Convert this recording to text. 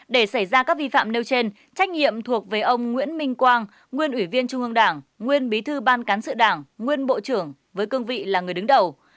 để xảy ra các vi phạm nêu trên trách nhiệm thuộc về ông nguyễn minh quang nguyên ủy viên trung ương đảng nguyên bí thư ban cán sự đảng nguyên bộ trưởng với cương vị là người đứng đầu